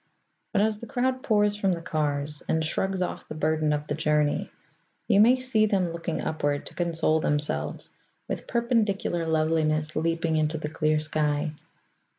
But as the crowd pours from the cars, and shrugs off the burden of the journey, you may see them looking upward to console themselves with perpendicular loveliness leaping into the clear sky.